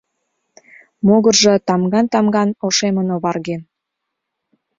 Могыржо тамган-тамган ошемын оварген.